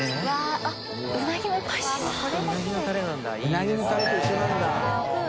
うなぎのタレと一緒なんだ。